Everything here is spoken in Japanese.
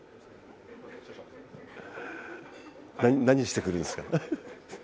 何してくるんですかね。